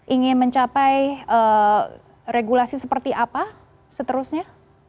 ingin mencapai regulasi seperti apa seterusnya